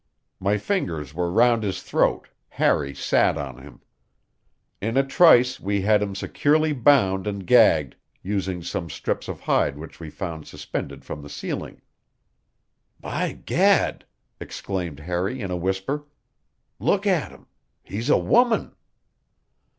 My fingers were round his throat, Harry sat on him. In a trice we had him securely bound and gagged, using some strips of hide which we found suspended from the ceiling. "By gad!" exclaimed Harry in a whisper. "Look at him! He's a woman!"